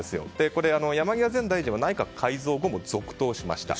これ、山際前大臣は内閣改造後も続任しました。